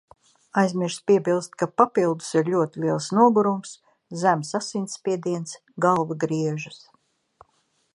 Aizmirsu piebilst, ka papildus ir ļoti liels nogurums, zems asinsspiediens, galva griežas.